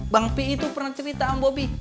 bang p itu pernah cerita sama bobi